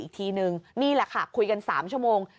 อีกทีนึงนี่แหละค่ะคุยกัน๓ชั่วโมง